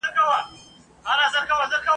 د ده ټول ښکلي ملګري یو په یو دي کوچېدلي ,